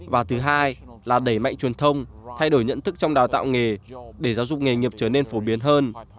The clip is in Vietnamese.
và thứ hai là đẩy mạnh truyền thông thay đổi nhận thức trong đào tạo nghề để giáo dục nghề nghiệp trở nên phổ biến hơn